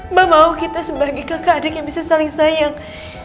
mbak mau kita sebagai kakak adik yang bisa saling sayang